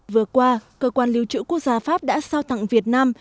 vừa qua cơ quan lưu trữ quốc gia pháp đã sao tặng việt nam